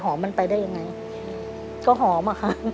หอมครับหอม